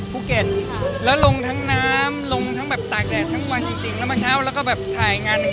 คือจริงเราบอกว่าเราแบบทำงานกันแบบหลายวันมาก